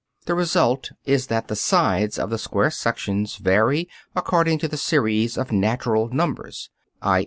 The result is that the sides of the square sections vary according to the series of natural numbers, _i.